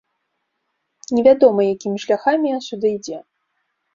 Невядома, якімі шляхамі ён сюды ідзе.